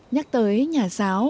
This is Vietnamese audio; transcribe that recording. nhắc tới nhà giáo